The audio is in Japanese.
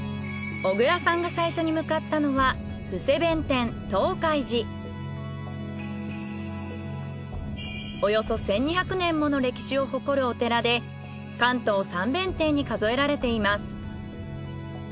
小倉さんが最初に向かったのはおよそ１２００年もの歴史を誇るお寺で関東三弁天に数えられています。